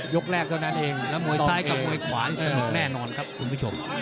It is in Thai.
แรกเท่านั้นเองแล้วมวยซ้ายกับมวยขวานี่สนุกแน่นอนครับคุณผู้ชม